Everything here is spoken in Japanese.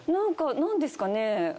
何ですかね。